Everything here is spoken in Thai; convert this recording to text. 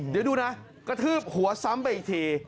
เดี๋ยวดูนะกระทืบหัวซ้ำไปอีกที